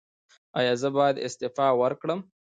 ایا زه باید استعفا ورکړم؟